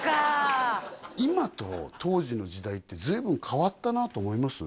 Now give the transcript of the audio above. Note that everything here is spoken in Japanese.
今と当時の時代って随分変わったなと思います？